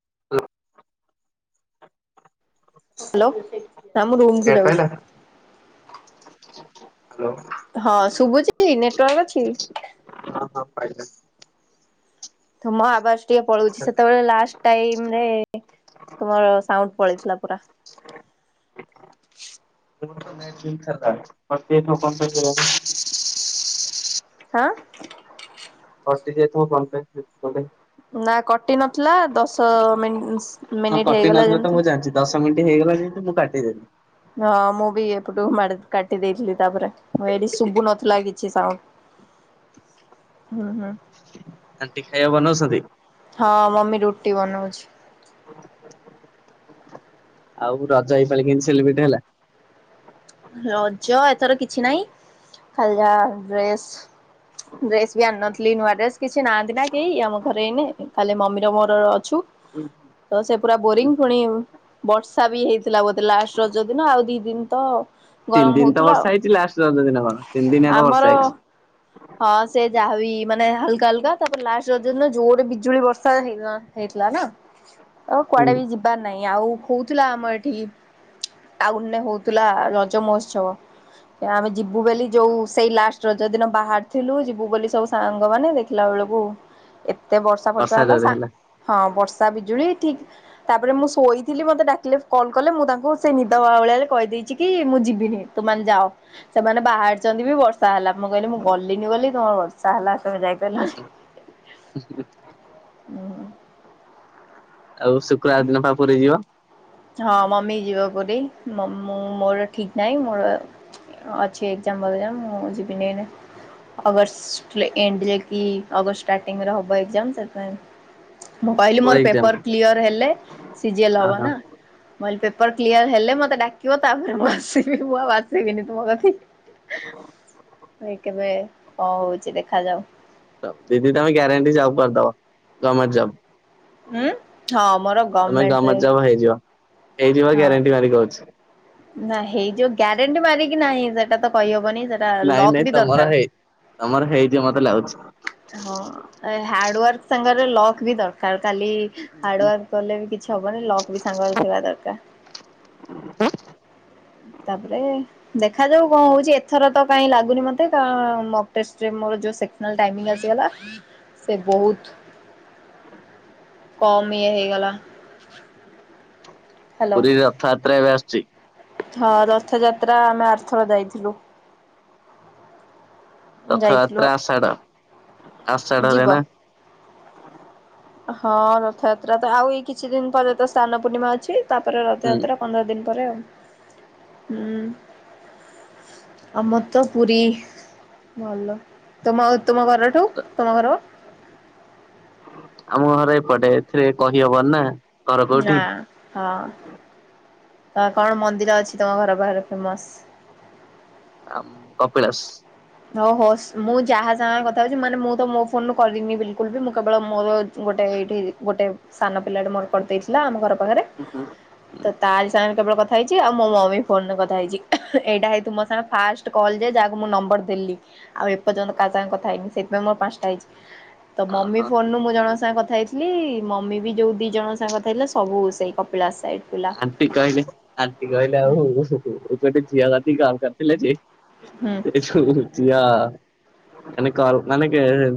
[unintelligible] Hello ନା ମୁଁ room କୁ ନେଟ୍ ଯାଉଛି। ପାଇଲା ହ୍ୟାଲୋ ହଁ ଅଁ--ଶୁଭୁଛି? [unintelligible] ନେଟୱର୍କ ଅଛି? ହଁ ହଁ ପାଇଲା। ତୁମ ଆବାଜ ଟିକେ ପଳଉଛି ସେତେବେଳେ ଲାଷ୍ଟ ଟାଇମ ରେ ତୁମର ସାଉଣ୍ଡ ପଳେଇଥିଲା ପୁରା। [unintelligible] ହାଁ [unintelligible] ନା କଟି ନଥିଲା ଦଶଅ ମିନସ ହଁ କଟି ନଥିଲା ତ ମୁଁ ଜାଣିଛି, ଦଶ ମିନିଟ୍ ହେଇଗଲା ଯେମିତି ମୁଁ କାଟିଦେଲି। ହଁ, ମୁଁ ବି ଏପଟୁ ମାଡି କାଟି ଦେଇଥିଲି ତାପରେ, ମୁଁ ଏଇଠି ଶୁଭୁ ନଥିଲା କିଛି ସାଉଣ୍ଡ। [unintelligible] ହୁଁ ହୁଁ। ରାତି ଖାଇବା ବନଉସନ୍ତି? ହଁ ମମି ରୁଟି ବନଉଛି। ଆଉ ରଜ ଏଇ ପାଳି କେମତି ସେଲିବ୍ରେଟ ହେଲା? ରଜ ଏଥର କିଛି ନାହିଁ, ଖାଲି ଯାହା ଡ୍ରେସ [unintelligible] ଡ୍ରେସ ବି ଆଣି ନଥିଲି ନୂଆ ଡ୍ରେସ। କିଛି ନାହାଁନ୍ତି ନା କେହି ଆମ ଘରେ ଏଇନେ, ଖାଲି ମମିର ମୋର ଅଛୁ ତ ସେ ପୁରା ବୋରିଙ୍ଗ, ଫୁଣି ବର୍ଷା ବି ହେଇଥିଲା ବୋଧେ ଲାଷ୍ଟ ରଜ ଦିନ ଆଉ ଦି ଦିନ ତ ତିନି ଗରମ ଦିନ ତ ହଉଥିଲା ଆଉ ବର୍ଷା ହେଇଛି, ଲାଷ୍ଟ ରଜ ଦିନ କଣ, ତିନି ଦିନ ହେକା ଆମର ବର୍ଷା ହେଇଛି। ହଁ ସେ ଯାହାବି ମାନେ ହାଲକା ହାଲକା, ତାପରେ ଲାଷ୍ଟ ରଜ ଦିନ ଜୋରରେ ବିଜୁଳି ବର୍ଷା ହେଇ ହେଇଥିଲା ନା? [unintelligible] ଆଉ କୁଆଡେ ବି ଯିବାର ନାହିଁ। ଆଉ ହଉଥିଲା ଆମର ଏଠି ଟାଉନରେ ହଉଥିଲା ରଜ ମହୋତ୍ସବ। ଆମେ ଯିବୁ ବେଲି ଯୋଉ ସେଇ ଲାଷ୍ଟ ରଜ ଦିନ ବାହାର ରିଥିଲୁ ଯିବୁ ବୋଲି ସବୁ ସାଙ୍ଗମାନେ, ଦେଖିଲା ବେଳକୁ ଏତେ ବର୍ଷା ଫର୍ଷା ହେଲା ସାଙ୍ଗ ହଁ, ବର୍ଷା ବିଜୁଳି ଠିକ ତାପରେ ମୁଁ ଶୋଇଥିଲି, ମତେ ଡାକିଲେ କଲ୍ କଲେ, ମୁଁ ତାଙ୍କୁ ସେ ନିଦ ବାଉଳାରେ କହିଦେଇଛି କି ମୁଁ ଯିବିନି। ତୁମାନେ ଯାଅ, ସେମାନେ ବାହାରିଛନ୍ତି ବି ବର୍ଷା ହେଲା। ମୁଁ କହିଲି ମୁଁ ଗଲିନି ବୋଲି, ତମର ବର୍ଷା ହେଲା ତମେ ଯାଇପାଇଲନି। ଆଉ ଶୁକ୍ରବାର ଦିନ ପା ପୁରୀ ଯିବ? ହଁ ମମି ଯିବ ପୁରୀ। ମ-ମ-ମୋର ଠିକ ନାହିଁ, ମୋର ଅଛି ଏକ୍ଜାମ ବଗେରା ମୁଁ ଯିବିନି ଏଇନା। ଅଗଷ୍ଟ ଏଣ୍ଡ ଯେକି ଅଗଷ୍ଟ ଷ୍ଟାର୍ଟିଂରେ ହବ ଏକ୍ଜାମ, ସେଥିପାଇଁ ମୁଁ କହିଲି କୋଉ ମୋର ଏକ୍ଜାମ? ପେପର କ୍ଲିୟର ହେଲେ, ସି ଜି ଏଲ ହବ ନା? ଓହୋ ମୁଁ କହିଲି ପେପର କ୍ଲିୟର ହେଲେ ମତେ ଡାକିବ ତାପରେ ଆସିବି, ମୁଁ ଆଉ ଆସି ଯିବିନି ତୁମ କଥିକ, ହେଁ ନାଇଁ କେବେ କଣ ହଉଛି ଦେଖାଯାଉ। ଦିଦି ତମେ ଗ୍ୟାରେଣ୍ଟି ଜବ୍ କରିଦବ, ଗମେଣ୍ଟ ଜବ୍। ହୁଁ, ହଁ ମୋର ତମେ ଗଭର୍ଣମେଣ୍ଟରେ ଗମେଣ୍ଟ ଜବ୍ ହେଇଯିବ। ହେଇଯିବ ହଁ। ଗ୍ୟାରେଣ୍ଟି ମାରି କହୁଛି। ନା ହେଇଯିବ, ଗ୍ୟାରେଣ୍ଟି ମାରିକି ନାହିଁ ସେଟା ତ କହିହବନି ସେ ନାଇଁ ନାଇଁ ତମର ହେଇ, ତମର ହେଇଯିବ ମତେ ଲାଗୁଛି। ହଁ, ଏ ହାର୍ଡୱାର୍କ ସାଙ୍ଗରେ ଲକ୍ ବି ଦରକାର। କାଲି ହାର୍ଡୱାର୍କ କଲେ ବି କିଛି ହବନି, ଲକ୍ ବି ସାଙ୍ଗରେ ଥିବା ଦରକାର। ତାପରେ ଦେଖାଯାଉ କଣ ହଉଛି। ଏଥର ତ କାହିଁ ଲାଗୁନି ମତେ, ତ ମକ୍ ଟେଷ୍ଟରେ ମୋର ଯୋଉ ସେକ ନହେଲେ ଟାଇମିଙ୍ଗ ଆସିଗଲା, ସେ ବହୁତ କମ୍ ଇଏ ହେଇଗଲା। ହ୍ୟାଲୋ। ପୁରୀ ରଥଯାତ୍ରା ଏବେ ଆସୁଛି। ହଁ, ରଥଯାତ୍ରା ଆମେ ଆରଥର ଯାଇଥିଲୁ। ଯାଇଥିଲୁ ରଥଯାତ୍ରା ଆଷାଢ, ଯିବ? ଆଷାଢରେ ନା? ହଁ ରଥଯାତ୍ରା। ତ ଆଉ ଏଇ କିଛି ଦିନ ପରେ ତ ସ୍ନାନ ପୂର୍ଣ୍ଣିମା ଅଛି, ତାପରେ ହୁଁ ରଥଯାତ୍ରା ପନ୍ଦର ଦିନ ପରେ ଆଉ। ହୁଁ। ଆମର ତ ପୁରୀ, ଭଲ। ତୁମ ତୁମ ଘରଠୁ, ତୁମ ଘର। ଆମ ଘର ଏପଟେ, ଏଥିରେ କହି ହବନି ନା। ଘର ନା, କୋଉଠି ହଁ। କଣ ମନ୍ଦିର ଅଛି ତମ ଘର ପାଖରେ ଫେମସ? ଆ କପିଳାସ। ହଉ ହଉ ମୁଁ ଯାହା ସାଙ୍ଗ କଥା ହଉଛି ମାନେ ମୁଁ ତ ମୋ ଫୋନରୁୁ କରିଦିନି ବିଲକୁଲ ବି ମୁଁ କେବଳ ମୋର ଗୋଟେ ଏଇଠି ଗୋଟେ ସାନ ପିଲାଟିେ ମୋର କରିଦେଇଥିଲା ଆମ ଘର ପାଖରେ ତ ତାର ସାଙ୍ଗ କେବଳ କଥା ହେଇଛି ଆଉ ମୋ ମମି ଫୋନରେ କଥାଇଛି ଏଇଟା ହେଇତୁ ମୋ ସାଙ୍ଗେ ଫାଷ୍ଟ କଲ୍ ଯେ ଯାହାକୁ ମୁଁ ନମ୍ବର ଦେଲି ଆଉ ଏପର୍ଯ୍ୟନ୍ତ କା ସାଙ୍ଗେ କଥା ହେଇନି ସେଥିପାଇଁ ମୋର ପାଞ୍ଚଟା ହେଇଛି। ତ ମମି ଓହୋ ଫୋନରୁୁ ମୁଁ ଜଣଙ୍କ ସାଙ୍ଗ କଥା ହେଇଥି ଲି ମମି ବି ଯୋଉ ଦି ଜଣ ସାଙ୍ଗ ଥିଲା ସବୁ ସେଇ କପିଳାସ ସାଇଡ ପିଲା। ଆଣ୍ଟି କହିଲେ ଆଣ୍ଟି କହିଲେ ଆଉ ଗୋଟେ ଝିଅ ବାତ କରିଥିଲେ ଯେ? ହୁଁ ଝିଅ ମାନେ କଲ୍ ମାନେ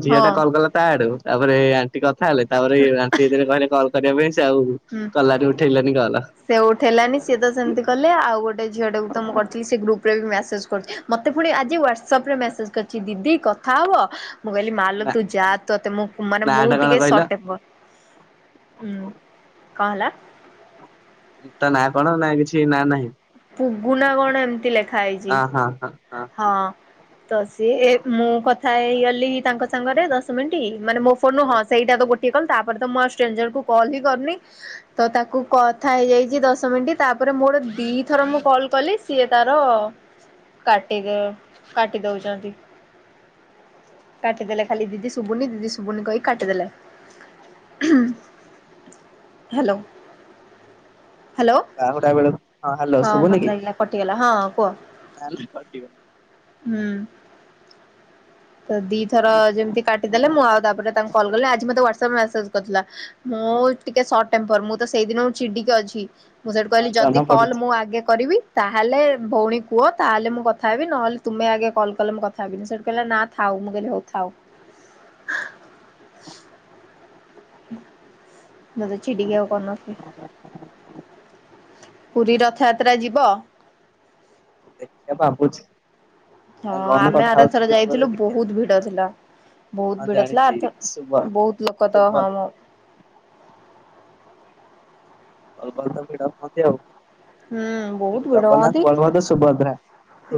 ଝିଅ ହଁ ଟା କଲ୍ କଲେ ତା ଆଡୁ ତାରେ ଆଣ୍ଟି କଥା ହେଲେ ତାପରେ ଆଣ୍ ଏଥିରେ କହିଲେ କଲ୍ କରିବା ପାଇଁ ସେ ଆଉ ହୁଁ। କଲାନି ଉଠେଇଲାନି କଲ। ସେ ଉଉଠ ହେଲାନି ସିଏ ତ ସେମିତି କଲେ ଆଉ ଗୋଟେ ଝିଅ ଟାକୁ ତ ମୁଁ କରିଥିଲି ସେ ଗ୍ରୁପ ଉପରେ ବି ମେସେଜ୍ କରୁଛି ମୋତେ ପୁଣି ଆଜି ହ୍ୱଵାଟ୍ସଆପ୍ରେ ମେସେଜ୍ କରିଛି ଦିଦି କଥା ହେବ। ମୁଁ କହିଲି ମାଲ ନା ତୁ ଯା ତୁତେ ମାନେ ନା ମୁଁ ଟା କଣ ଟିକେ କହିଲ? ସଟଟେମ୍ପର ହୁଁ କଣ ହେଲା? ତା ନାଁ କଣ ନା କିଛି ନାଁ ନାହିଁ? ପୁଗୁନା କଣ ଏମିତି ଲେଖା ହେଇଛି। ହଁ ହଁ ହଁ। ହଁ ତ ସିଏ ମୁଁ କଥା ହେଇଗଲି ତାଙ୍କ ସାଙ୍ଗରେ ଦଶ ମିନିଟ୍ ମାନେ ମୋ ଫୋନୁ ହଁ ସେଇଟା ତ ଗୋଟ ଟେ କଲ ତାପରେ ତ ମୁ ଷ୍ଟ୍ରଞ୍ଜର କଲ୍ ହି କରୁନି। ତ ତାକୁ କଥା ହେଇଯାଇଛି ଦଶ ମିନିଟ ତାପରେ ମୁଁ ଗୋଟେ ଦିଥର ମୁଁ କଲ କଲି ସିଏ ତାର କାଟି ଦ କାଟି ଦଉଚଛନ୍ତି। କାଟ ଦେଲେ ଖାଲି ଦିଦି ଶୁଭୁନି ଦିଦି ଶୁଭୁନି କହି କାଟ ଦେଲେ। ହୁଁ ହ୍ୟାଲୋ ହ୍ୟାଲୋ ବାହୁଡା ବେଳକୁ ହ୍ୟାଲୋ ହଁ ମୋତେ ଲାଗିଲା କଟିଗଲା ହଁ କୁହ। ତାହା ହେଲେ କାଟିବ ହୁଁ [unintelligible] ତ ଦିଥର ଯେମିତି କାଟିଦେଲେ ମୁଁ ଆଉ ତାପରେ ତାଙ୍କୁ କଲ୍ କଲି ଆଜି ମତେ ହ୍ୱାଟସଆପରେ ମେସେଜ କରିଥିଲା। ମୁଁ ଟିକେ ସଟ ଟେମ୍ପର ମୁଁ ତ ସେଇଦିନ ଚିଡିକି ଅଛି। ମୁଁ ସେଇଠୁ ହଁ କହିଲି ଯଦି ଜଣା କଲ୍ ପଡୁଛି। ମୁଁ ଆଗେ କରିବି ତାହେଲେ ଭଉଣୀ କୁହ ତାହେଲେ ମୁଁ କ ଥା ହେବି ନହେଲେ ତୁମେ ଆଗେ କଲେ ମୁ କଥା ହେବିନି ସେଠୁ କହିଲ ନା ଥା ମୁଁ କହଲି ହୋଊ ହେଉଥାଉ। ମତ ଚଝିଡିଆଉ କରି ନଥିଲି। ପୁରୀ ରଥଯାତ୍ରା ଯିବ? ଦେଖିବା ଭାବୁଛି ହଁ ସାଙ୍ଗ ମାନେ ଆମେ କଥା ଆରଥର ହଉଛୁ ଯିବୁ ଯାଇଥିଲୁ ଜେ ଟିକେ ବହୁତ ଭିଡ ଥିଲା ବହୁତ ହଁ ଭିଡ ଥିଲା ଜାଣିଛି ଆରଥ ସୁଭ ବହୁତ ଲୋକ ତ ହଁ ସୁଭ ମୁଁ କଲ୍ କରିଲେ ଭିଡ଼କୁ ହୁଅନ୍ତି ଆଉ ହୁଁ ବହୁତ ଭିଡ ହୁଅନ୍ତି। ଜଗନ୍ନାଥ ବଳ ବଳଭଦ୍ର ସୁଭଦ୍ରା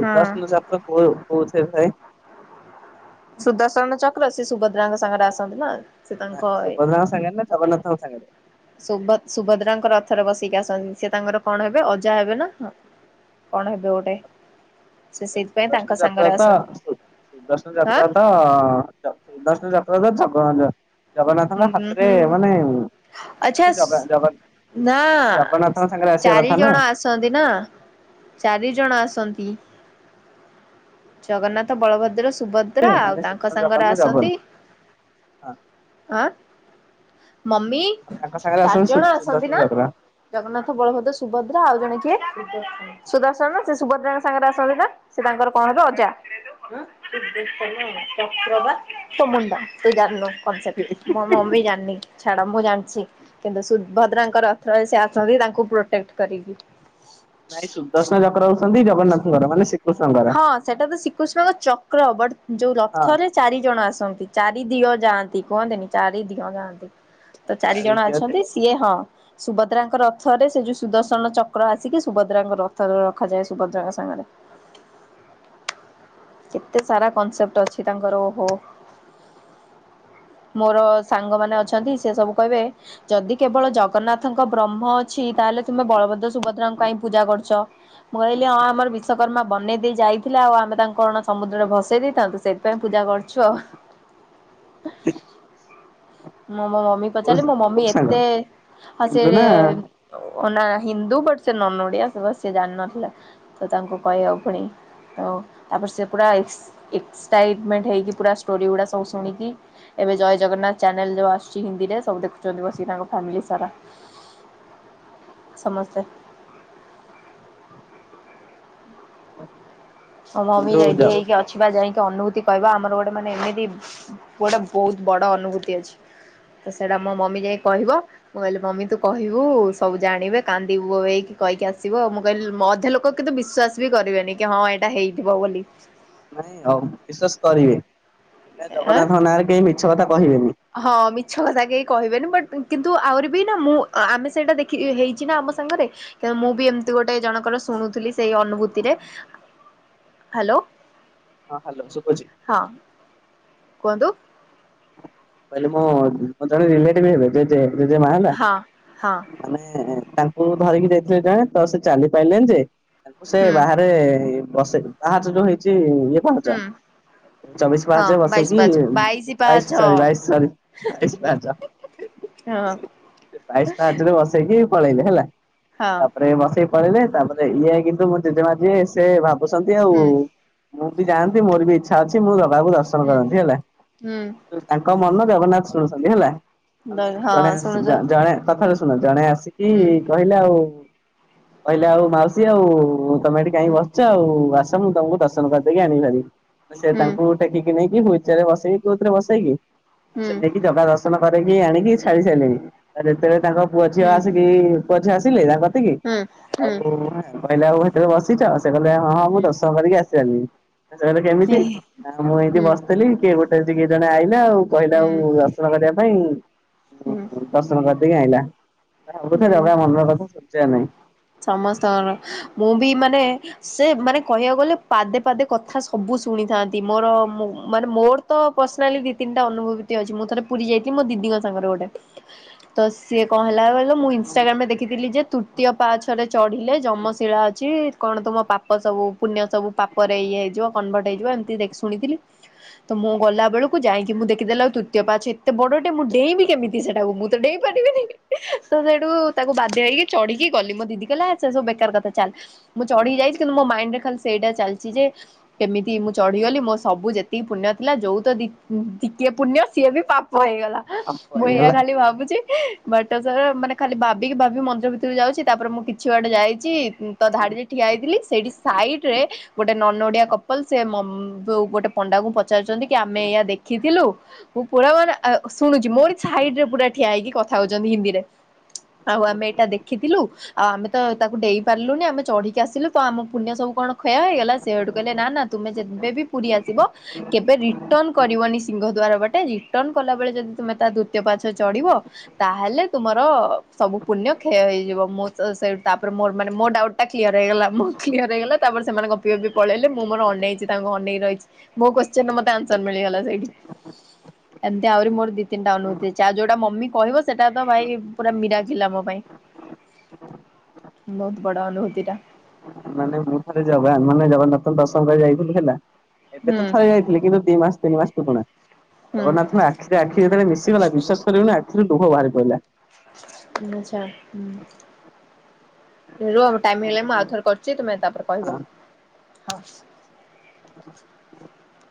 ହୁଁ ଚକ କୋଉ କୋଉ ଟିରେ ଥାଏ? ସୁଦର୍ଶନ ଚକ୍ର ସେ ସୁଭଦ୍ରାଙ୍କ ସାଙ୍ଗରେ ଆସନ୍ତି ନା ସେ ନାଁ ତାଙ୍କ ସୁପଦ୍ରାଙ୍କ ସାଙ୍ଗରେ ନା ଜଗନ୍ନାଥଙ୍କ ସାଙ୍ଗରେ? ସୁ-ସୁଭଦ୍ରାଙ୍କର ରଥରେ ବସିକି ଆସନ୍ତି ସେ ତାଙ୍କର କଣ ହେବେ ଅଜା ହେବେ ନାଁ କଣ ହେବେ ଗୋଟେ ସେ ସେଇଥିପାଇଁ ତାଙ୍କ [unintelligible] ଯାତ୍ରା ସାଙ୍ଗରେ ତ ଆସନ୍ତି ଦଷ୍ଣ ହଁ ଯାତ୍ରା ର ସ ସୁଦର୍ଶନ ଚକ୍ର ତ ଜଗ-ଜଗନ୍ନାଥଙ୍କ ହାତରେ ମାନେ ଆଚଛା ସେ ଜଗା ଜଗା ନା ଜଗନ୍ନାଥଙ୍କ ସାଙ୍ଗରେ ଆସିବା ଚାରି କଥା ନା ଜଣ ଆ ଆସନ୍ତି ନା ଚାରି ଜଣ ଆସନ୍ତି। ଜଗନ୍ନାଥ ବଳଭଦ୍ର ସେ ସୁଭଦ୍ରା ଆଉ ମାନେ ତାଙ୍କ ସୁଦର୍ଶନ ଜଗନ ସାଙ୍ଗରେ ନା ଜଗନ ଆସନ୍ତି ହଁ। ଆ ମମି ତାଙ୍କ ସାଙ୍ଗରେ ଆସନ୍ତି ସୁ ଚାରିଜଣ ଆସନ୍ତି ସୁଦର୍ଶନ ନା ଚକ୍ର। ଜଗନ୍ନାଥ ବଳଭଦ୍ର ସୁଭଦ୍ରା ଆଉ ଜଣେ କିଏ? ସୁଦର୍ଶନ ସେ ସୁଭଦ୍ରାଙ୍କ ସାଙ୍ଗରେ ଆସନ୍ତି ନା ସେ ତାଙ୍କର କଣ ହେବେ ଅଜା। ଚକ୍ର ବା ତୋ ମୁଣ୍ଡ ତୁ ଜାଣିନୁ। କନସେପ୍ଟ ମୋ ମମି ଯାନି। ଛାଡ ମୁଁ ଜାଣିଛି କିନ୍ତୁ ସୁଭଦ୍ରାଙ୍କର ରଥରେ ସେ ଆସନ୍ତି ତାଙ୍କୁ ପ୍ରୋଟେକ୍ଟ କରିକି। ନାଇଁ ସୁଦର୍ଶନ ଚକ୍ର ହଉଛନ୍ତି ଜଗନ୍ନାଥଙ୍କର ମାନେ ସି ହଁ ସେଟା ତ ଶ୍ରୀକୃଷ୍ଣଙ୍କ ଚକ୍ର ବଟ ଯୋଉ ହଁ। ରଥରେ ଚାରି ଜଣ ଆସନ୍ତି ଚାରି ଦିଓ ଯାନ୍ତି କୁହନ୍ତିନି ଚାରି ଦିଓ ଯାଆନ୍ତି। ତ ଚାରି ଜଣ ଚାରିଦିଅ ଯେ ଅଛନ୍ତି ସିଏ ହଁ। ସୁଭଦ୍ରାଙ୍କ ରଥ ରେ ସେ ଯୋଉ ସୁଦର୍ଶନ ଚକ୍ର ଆସିକି ସୁଭଦ୍ରାଙ୍କ ରଥରେ ରଖାଯାଏ ସୁଭଦ୍ରାଙ୍କ ସାଙ୍ଗରେ କେତେ ସାରା କନସେପ୍ଟ ଅଛି ତାଙ୍କର ଓହୋ। ମୋର ସାଙ୍ଗମାନେ ଅଛନ୍ତି ସେ ସବୁ କହିବେ ଯଦି କେବଳ ଜଗନ୍ନାଥ ନାଥଙ୍କ ବ୍ରହ୍ମ ଅଛି ତାହେଲେ ତୁମେ ବଳଭଦ୍ର ସୁଭଦ୍ରାଙ୍କ କାଇ ପୂଜା କରଛ। ମୁଁ କହିଲି ହଁ ଆମର ବିଶ୍ୱକର୍ମା ବନେଇ ଦେଇେଇ ଯାଇଥିଲା ଆଉ ଆମେ ତାଙ୍କୁ କଣ ସମୁଦ୍ରରେ ଭସେଇ ଦେଇଥାନ୍ତୁ ସେଥିପାଇଁ ପୂଜା କରୁଛୁ ଆଉ। ଇ ମୁଁ ମୋ ମମି କୁ ପଚାରିଲି ମୋ ମମି ସାଙ୍ଗ ଏତେ ହ ସିଏ ଇନ୍ଦୁ ନା ଟିକେ ହିନ୍ଦୁ ବଟ୍ ସେ ନନ୍ ଓଡିଆ ସେ ବସ୍ ସେ ଜାନଥିଲା। ତ ତାଙ୍କୁ କହବା ପୁଣି ଆଉ ତାପରେ ସେ ପୁରା ଏକ୍ ଏକ୍ସାଇଟମେଣ୍ଟ ହେଇକି ପୁରା ଷ୍ଟୋରି ଗୁଡ଼ା ସବୁ ଶୁଣିକି ଏବେ ଜୟ ଜଗନ୍ନାଥ ଚ୍ୟାନେଲ ଯେଉଁ ଆସୁଛି ହିନ୍ଦୀରେ ସବୁ ଦେଖୁଛନ୍ତି ବସିିକି ତାଙ୍କ ଫ୍ୟାମିଲି ସାରା। ସମସ୍ତେ। ମ ମମି ଇନ୍ଦୁ ଯ ରେଡି ହେଇକ ଅଛି। ବା ଯାଇକି ଅନୁଭୂତି କହିବା ଆମର ଗୋଟେ ମାନେ ଏମିତି ଗୋଟେ ବହୁତ ବଡ ଅନୁଭୂତି ଅଛି। ତ ସେଟା ମୋ ମମି ଯାଇ କହିବ। ମୁଁ କହିଲି ମମି ତୁ କହିବୁ ସବୁ ଜାଣିବେ କାନ୍ଦିବୁ ବୋବେଇକି କହିକି ଆସିବ ମୁଁ କହିଲି ଲୋକ ମୁ ଅଧ ଲୋକ ଲୋକ କିତୁ ବିଶ୍ୱାସ ବି କରିବେନି କି ହଁ ଏଇଟା ହେଇଥିବ ବୋଲି। ନାଇଁ ହଉ ବିଶ୍ୱାସ କରିବେ ଆଁ ଜଗନ୍ନାଥଙ୍କ ନାଁରେ କେହି ମିଛ କଥା କହିବେନି। ହଁ ମିଛ କଥା କେହି କହିବେନି ବଟ୍ କିନ୍ତୁ ଆହୁରି ବି ନା ମୁଁ ଆମେ ସେଇଟା ଦେଖି ହେଇଛି ନା ଆମ ସାଙ୍ଗରେ। ନ୍ତୁ ମୁଁ ବି ଏମିତି ଗୋଟେ ଜଣଙ୍କର ଶୁଣୁଥିଲି ସେଇ ଅନୁଭୂତିରେ। ହ୍ୟାଲୋ। ହଁ ହଲୋ ସୁଭଜୀ। ହଁ କୁହନ୍ତୁ। କହିଲ ମୁଁ ଜଣେ ରିଲେଟିଭ ହେବେ ଜେଜେ ଜେଜେମା ହେଲା। ହଁ ହଁ ମାନେ ତାଙ୍କୁ ଧରିକି ଯାଇଥିଲି ଜଣେ ତ ସେ ଚାଲି ପାରିଲେନି ଯେ ତା ସେ ହୁଁ ବାହାରେ ବସେଇ ବାହା ଯୋଉ ହେଇଛି ଇଏ ପାହାଚ ହୁଁ ଚବିଶ ହଁ ପାହାଚ ବାଇଶି ବସେଇକି ପାଞ୍ଚ ବାଇଶି ବାଇଶ ପାଞ୍ଚ ସରି ବାଇଶ ବାଇଶ ପା ହଁ ବାଇଶ ପା ହଚରେ ବ ସେକି ବି ପଳେଇଲେ ହେଲା ହଁ ତାପରେ ବସେଇ ପିଲେ ତାପରେ ଇଏ କିନ୍ତୁ ମୁଁ ଜଜେମାଝେ ସେ ଭାବୁଛନ୍ତି ଆଉ ହୁଁ ମୁଁ ବି ଯାଆନ୍ତି ମୋର ବି ଇଛା ଅଛି ମୁଁ ଜଗାକୁ ଦର୍ଶନ ହୁଁ କରନ୍ତି ହେଲା। ହୁଁ ତାଙ୍କ ମନ ଜଗନ୍ନାଥ ଶୁଣୁଛନ୍ତି ହେଲା ଆମେ ଜଣେ ହଁ ଶୁଣୁଛନ୍ତି ଜଣେ କଥାଟା ଶୁଣ ଜଣେ ଆସିକି ହୁଁ କହିଲା ଆଉ କହିଲେ ଆଉ ମାଉସୀ ଆଉ ତମେ ଏଠି କାଇଁକି ହୁଁ ବସିଛ ଆଉ ଆସ ମୁଁ ତମକୁ ଦର୍ଶନ କରିଦେଇକି ଆଣିପାରିବି ସେ ହୁଁ ତାଙ୍କୁ ଟେକିକି ନେଇକି ହଇଚରେ ବସେଇକି ତୁଉଥରେ ବସେଇକି ଆ ସେ ହୁଁ ନେଇକି ଜଗା ଦର୍ଶନ କରିକି ଆଣିକି ଛାଡି ସାରିଲେଣି ଆଉ ଯେତେବେଳେ ତାଙ୍କ ପୁଅ ଝିଅ ହୁଁ ଆସିକି ପଛେ ଆସିଲେ ତା କତିକି ହୁଁ ଆଉ ହୁଁ କହିଲେ ଆଉ ଭିତରେ ବସିଛ ସେ କହ ଆ ହଁ ହଁ ମୁଁ ହୁଁ ଦଶମ କରିକି ଆସିି ସାରିଲିଣି ସେ କହିଲେ କେମିତି ହୁଁ ମୁଁ ଏମତି ହୁଁ ବସି ଥିଲ କିଏ ଗୋଟେ କିଏ ଜଣେ ଆଇଲା ଆଉ କହିଲା ଆଉ ଦର୍ଶନ କରିବା ପାଇଁ ହୁଁ ଦର୍ଶନ କରିଦେଇକି ଆଇଲା। ତା କଥା ହୁଁ ଜଗା ମନର କଥା ଶୁଣୁଚି ନା ନାହିଁ। ସମସ୍ତଙ୍କର, ମୁଁ ବି ମାନେ ସେ ମାନେ କହିବାକୁ ଗଲେ ପାଦେ ପାଦେ କଥା ସବୁ ଶୁଣିଥାନ୍ତି। ମୋର ମୋ ମାନେ ମୋର ତ ପର୍ସନାଲି ଦି ତିନିଟା ଅନୁଭୂତି ଅଛି। ମୁଁ ଥରେ ପୁରୀ ଯାଇଥିଲି ମୋ ଦିଦିଙ୍କ ସାଙ୍ଗରେ ଗୋଟେ। ତ ସିଏ କଣ ହେଲା କହିଲୁ ମୁଁ ଇନଷ୍ଟାଗ୍ରାମ୍ ରେ ଦେଖିଥିଲି ଯେ ତୁ ପାଛରେ ଚଢିଲେ ଯମଶିଳା ଅଛି। କଣ ତୁମ ପାପ ସବୁ ପୁଣ୍ୟ ସବୁ ପାପରେ ଇଏ ହେଇଯିବ। କନଭର୍ଟ ହେଇଯିବ ଏମତି ଦେଖ୍ ଶୁଣିଥିଲି। ତ ମୁଁ ଗଲା ବେଳକୁ ଯାଇକି ମୁଁ ଦେଖି ଦେଲା ବେଳ କୁ ତୃତୀୟ ପାହାଚ ଏତେ ବଡଟେ ମୁଁ ଡେଇଁବି କେମିତି ସେଟାକୁ ମୁଁ ମୁଁ ତ ଡେଇଁ ପାରିବିନି। ତ ସେଠୁ ତାକୁ ବାଧ୍ୟ ହେଇକି ଚଢିକି ଗଲି ମୋ ଦିଦି କହିଲା ସେ ସବୁ ବେକାର କଥା ଚାଲ୍। ମୁଁ ଚଢି ଯାଇଚି କିନ୍ତୁ ମୋ ମାଇଣ୍ଡ ରେ ଖାଲି ସେଇଟା ଚାଲିଛି ଯେ କେମିତି ମୁଁ ଚଢିଗଲି ମୋ ସବୁ ଯେତିକି ପୁଣ୍ୟ ଥିଲା ଯୋଉ ତ ଦି ଟିକିଏ ପୁଣ୍ୟ ସିଏ ବି ପାପ ହେଇଗଲା। ପାପ ମୁଁ ଏଇଆ ହେଇଗଲା ଖାଲି ଭାବୁଚି। ବାଟ ସାରା ମାନେ ଖାଲି ଭାବିକି ଭାବି ମନ୍ଦିର ଭିତର କୁ ଯାଉଚି। ତାପରେ ମୁଁ କିଛି ବାଟ ଯାଇଚି ତ ଧାଡ଼ିରେ ଠିଆ ହେଇଥିଲି, ସେଇଠି ସାଇଟ୍ ରେ ଗୋଟେ ନନ୍ ଓଡିଆ କପଲ୍ ସେ ମ ଗୋଟେ ପଣ୍ଡାକୁ ପଚାରୁଚନ୍ତି କି ଆମେ ଏଇଆ ଦେଖିଥିଲୁ ମୁଁ ପୁରା ମାନେ ଆ ଶୁଣୁଚି। ମୋରି ସାଇଡ୍ ରେ ପୁରା ଠିଆ ହେଇକି କଥା ହଉଚନ୍ତି ହିନ୍ଦୀରେ। ଆଉ ଆମେ ଏଇଟା ଦେଖିଥିଲୁ ଆଉ ଆମେ ତ ତାକୁ ଡେଇଁ ପାରିଲୁନି ଆମେ ଚଢିକି ଆସିଲୁ ତ ଆମ ପୁଣ୍ୟ ସବୁ କଣ କ୍ଷୟ ହେଇଗଲା? ସେ ହେଠୁ କହିଲେ ନା ନା ତୁମେ ଯେବେ ବି ପୁରୀ ଆସିବ କେବେ ରିଟର୍ଣ କରିବନି ସିଂହଦ୍ୱାର ବାଟେ। ରିଟର୍ଣ କଲା ବେଳେ ଯଦି ତମେ ତା ଦ୍ଵିତୀୟ ପାହାଚ ରେ ଚଢ଼ିବ ତାହେଲେ ତୁମର ସବୁ ପୁଣ୍ୟ କ୍ଷୟ ହେଇଯିବ। ମୁଁ ସେ ତାପରେ ମୋ ମାନେ ମୋ ଡାଉଟ୍ କ୍ଲିୟର ହେଇଗଲା। ମୁଁ କ୍ଲିୟର ହେଇଗଲା, ତା ପରେ ସେମାନଙ୍କ ଗପି ଗପି ପଳେଇଲେ ମୁଁ ମୋର ଅନେଇଚି। ତାଙ୍କୁ ଅନେଇ ରହିଚି। ମୋ କ୍ୱେଶ୍ଚିନ୍ ର ମତେ ଆନ୍ସର ମିଳିଗଲା ସେଇଠି। ଏମିତି ଆହୁରି ମୋର ଦି ତିନଟା ଅନୁଭୂତି ଅଛି। ଆଉ ଯୋଉଟା ମମି କହିବ ସେଟା ତ ଭାଇ ପୁରା ମୀରାକିଲ୍ ଆମ ପାଇଁ। ବହୁତ ବଡ଼ ଅନୁଭୂତି ଟା। ମାନେ ମୁଁ ଥରେ ଜଗା ମାନେ ଜଗନ୍ନାଥ ଙ୍କଟ ଦର୍ଶନ କରି ଯାଇଥିଲି ହେଲା। ଏବେ ହୁଁ ତ ଥରେ ଯାଇଥିଲି। କିନ୍ତୁ ଦି ମାସ ତିନି ମାସ ପୁରୁଣା। ହୁଁ ଜଗନ୍ନାଥଙ୍କ ଆ ଆଖି ରେ ଆଖି ଯେତେବେଳେ ମିଶିଗଲା ବିଶ୍ୱାସ କରିବେନି ଆଖିରୁ ଲୁହ ବାହାରି ପଇଲା। [unintelligible] ରୁହ ମୋ ଟାଇମ୍ ହେଇ ଗଲାଣି ମୁଁ ଆଉ ଥରେ କରୁଚି ତୁମେ ତାପରେ ହଁ। କହିବ। [inaudible]